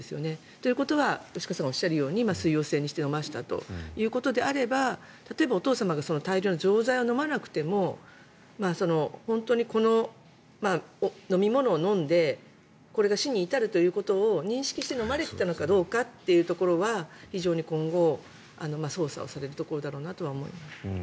ということは吉川さんがおっしゃるように水溶性にして飲ませたということであれば例えば、お父様が大量の錠剤を飲まなくても本当にこの飲み物を飲んでこれが死に至るということを認識して飲まれていたのかどうかというところは非常に今後捜査をされるところだろうなとは思います。